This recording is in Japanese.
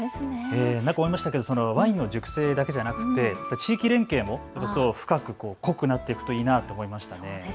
思いましたけどワインの熟成だけではなく地域連携も深く、濃くなっていくといいなと思いました。